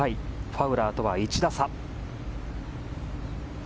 ファウラーとは１打差。